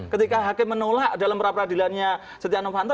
ketika hakim menolak dalam peradilan setianow hanta